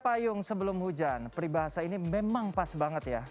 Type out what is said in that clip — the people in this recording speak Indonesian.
payung sebelum hujan peribahasa ini memang pas banget ya